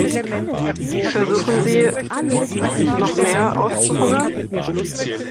Versuchen, sie noch mehr auszuhungern?